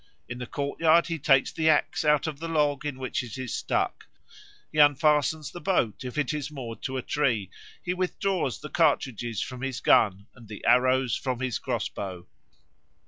In the courtyard he takes the axe out of the log in which it is stuck; he unfastens the boat, if it is moored to a tree, he withdraws the cartridges from his gun, and the arrows from his crossbow.